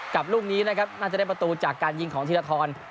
ลูกนี้นะครับน่าจะได้ประตูจากการยิงของธีรทร